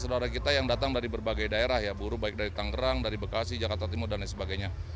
saudara kita yang datang dari berbagai daerah ya buruh baik dari tangerang dari bekasi jakarta timur dan lain sebagainya